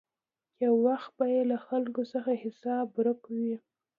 یو وخت به یې له خلکو څخه حساب ورک وي.